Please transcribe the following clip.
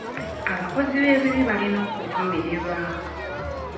Abakozi b'ebibi balina okuvumirirwa.